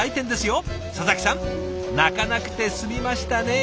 佐々木さん泣かなくて済みましたね。